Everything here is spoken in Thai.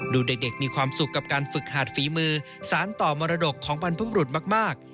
ดูเด็กมีความสุขกับการฝึกหาดฝีมือสารต่อมรดกของบรรพบรุษมาก